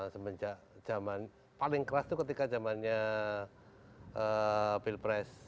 sebenarnya semenjak zaman paling keras itu ketika zamannya bill press